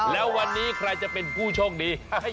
แล้ววันนี้ใครจะเป็นผู้โชคดี